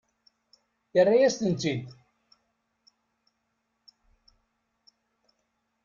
Yerra-yas-ten-id.